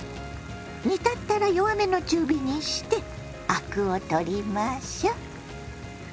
煮立ったら弱めの中火にしてアクを取りましょ。